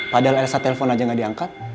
padahal elsa telepon aja gak diangkat